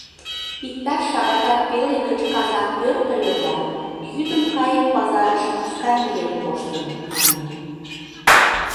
Иктаж шагатат пеле гыч казак пӧртыльӧ да, йӱдым кайык пазарыш маска миен коштын, мане.